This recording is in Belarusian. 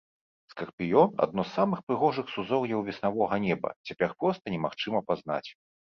Скарпіён, адно з самых прыгожых сузор'яў веснавога неба, цяпер проста немагчыма пазнаць.